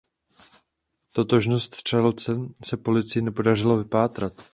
Totožnost střelce se policii nepodařilo vypátrat.